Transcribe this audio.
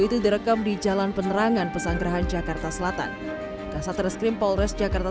itu direkam di jalan penerangan pesanggerahan jakarta selatan kasat reskrim polres jakarta